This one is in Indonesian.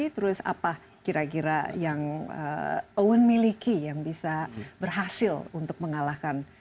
terus apa kira kira yang owen miliki yang bisa berhasil untuk mengalahkan